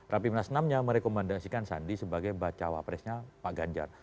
rapimnas enam nya merekomendasikan sandi sebagai bacawa presnya pak ganjar